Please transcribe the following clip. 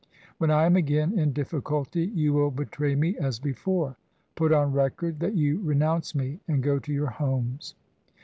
When I am again in difficulty, you will betray me as before. Put on record that you renounce me and go to your homes.'